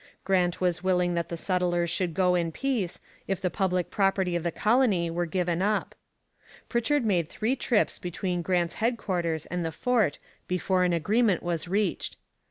Grant was willing that the settlers should go in peace, if the public property of the colony were given up. Pritchard made three trips between Grant's headquarters and the fort before an agreement was reached.